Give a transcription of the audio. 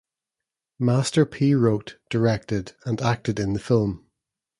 Master P wrote, directed and acted in the film.